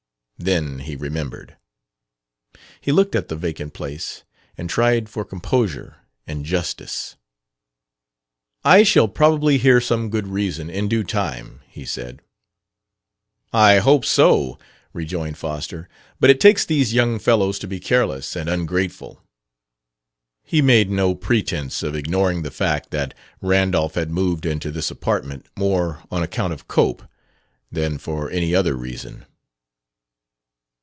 Then he remembered. He looked at the vacant place, and tried for composure and justice. "I shall probably hear some good reason, in due time," he said. "I hope so," rejoined Foster; "but it takes these young fellows to be careless and ungrateful." He made no pretense of ignoring the fact that Randolph had moved into this apartment more on account of Cope than for any other reason.